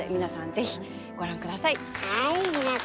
ぜひご覧下さい。